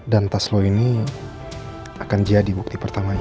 dan tas lo ini akan jadi bukti pertamanya